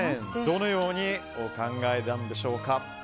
どのようにお考えなんでしょうか。